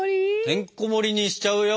てんこもりにしちゃうよ